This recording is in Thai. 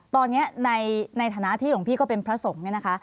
ตอนนี้ในฐานะที่ลงพี่ก็เป็นพระสงฆ์